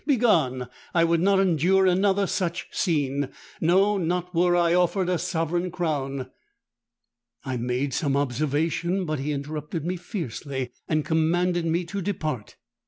Begone! I would not endure another such scene—no, not were I offered a sovereign crown!_'—I made some observation; but he interrupted me fiercely, and commanded me to depart.